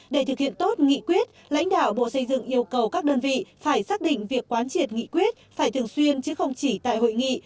để thực hiện tốt nghị quyết lãnh đạo bộ xây dựng yêu cầu các đơn vị phải xác định việc quán triệt nghị quyết phải thường xuyên chứ không chỉ tại hội nghị